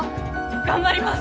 頑張ります！